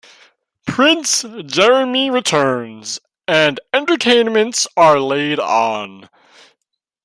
Prince Jeremi returns and entertainments are laid on.